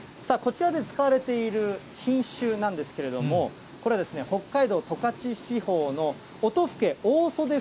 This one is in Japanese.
こちらで使われている品種なんですけれども、これは北海道十勝地方の音更大振袖